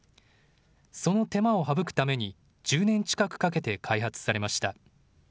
その手間を省くために１０年近くかけて開発されました。